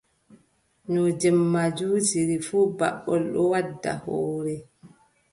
No jemma juutiri fuu, baɓɓol ɗon wadda hoore.